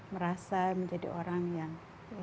merasa menjadi orang yang